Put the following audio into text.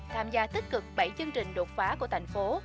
tham gia tích cực bảy chương trình đột phá của thành phố